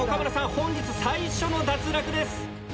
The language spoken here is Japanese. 本日最初の脱落です。